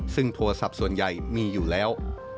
ซึ่งโทรศัพท์ส่วนใหญ่มีอยู่แล้ว